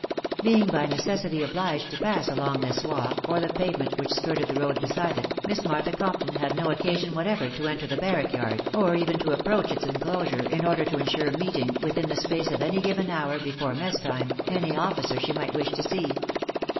Being by necessity obliged to pass along this walk, or the pavement which skirted the road beside it, Miss Martha Comptoa had no occasion whatever to enter ike "baxxwk ^w^ L I THE WIDOW BARNJLBY. 19 <cr even to approach its enclosure, in order to ensure meeting, within the space of any given hour before mess time, any officer she might wish to see.